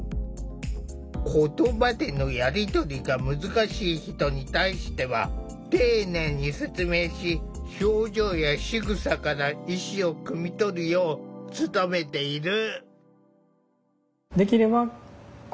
言葉でのやり取りが難しい人に対しては丁寧に説明し表情やしぐさから意思をくみ取るよう努めている。